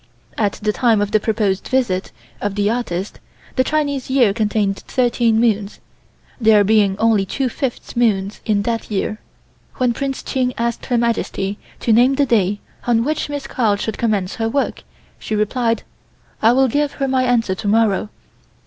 At the time of the proposed visit of the artist the Chinese year contained thirteen moons, there being two fifth moons in that year. When Prince Ching asked Her Majesty to name the day on which Miss Carl should commence her work, she replied: "I will give her my answer to morrow.